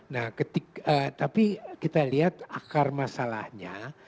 nah tapi kita lihat akar masalahnya